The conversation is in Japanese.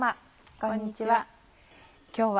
こんにちは。